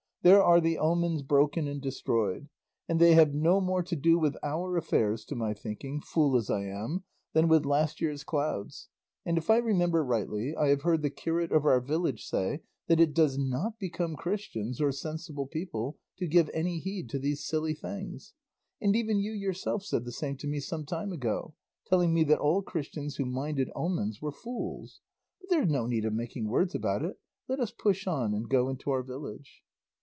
there are the omens broken and destroyed, and they have no more to do with our affairs, to my thinking, fool as I am, than with last year's clouds; and if I remember rightly I have heard the curate of our village say that it does not become Christians or sensible people to give any heed to these silly things; and even you yourself said the same to me some time ago, telling me that all Christians who minded omens were fools; but there's no need of making words about it; let us push on and go into our village."